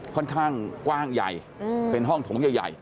ค่อนข้างกว้างใหญ่เป็นห้องถงใหญ่